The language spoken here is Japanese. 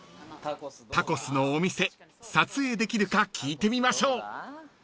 ［タコスのお店撮影できるか聞いてみましょう］